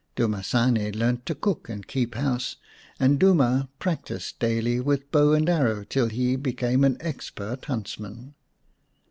Dumasane learnt to cook and keep house, and Duma practised daily with bow and arrow till he became an expert huntsman.